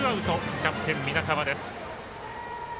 キャプテン皆川です。